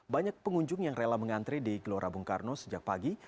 banyak pengunjung yang rela mengantri di gelora bung karno sejak pagi